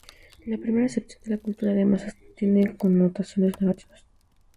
La primera acepción de la cultura de masas tiene connotaciones negativas.